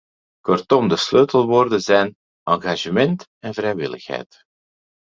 Kortom, de sleutelwoorden zijn engagement en vrijwilligheid.